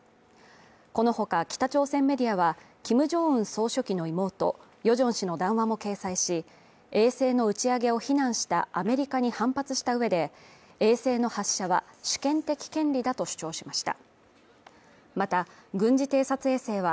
この他北朝鮮メディアはキム・ジョンウン総書記の妹、ヨジョン氏の談話も掲載し、衛星の打ち上げを非難したアメリカに反発した上で、衛星の発射は、主権的権利だと主張しました。